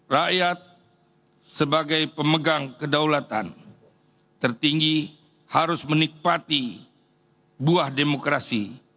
rakyat sebagai pemegang kedaulatan tertinggi harus menikmati buah demokrasi